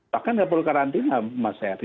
bahkan nggak perlu karantina mas heri